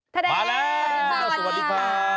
มาแล้วสวัสดีครับ